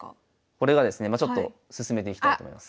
これがですねまあちょっと進めていきたいと思います。